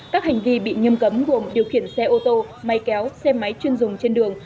các hành vi bị nhâm cấm gồm điều khiển xe ô tô máy kéo xe máy chuyên dùng trên đường